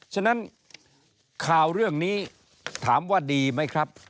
ฉะนั้นข่าวเรื่องนี้ถามว่าดีไหมครับ